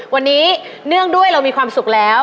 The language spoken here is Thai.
วันนี้เนื่องด้วยเรามีความสุขแล้ว